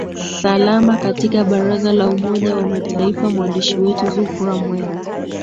salama katika baraza la umoja wa mataifa mwandishi wetu zuhra mwera